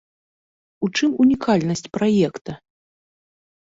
У чым унікальнасць праекта?